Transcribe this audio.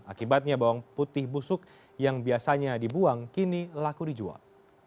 akibatnya bawang putih busuk yang biasanya dibuang kini laku dijual